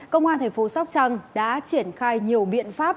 công an tp sóc trăng đã triển khai nhiều biện pháp